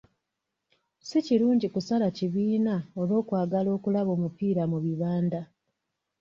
Si kirungi kusala kibiina olw'okwagala okulaba omupiira mu bibanda.